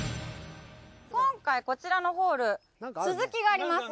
今回こちらのホール続きがあります。